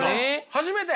初めて！